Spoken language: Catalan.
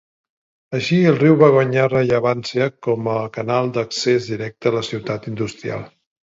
Així, el riu va guanyar rellevància com a canal d'accés directe a la ciutat industrial.